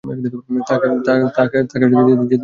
তাকে যেতে দাও, ভাই।